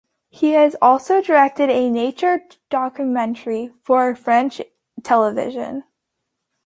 He has also directed a nature documentary for French television.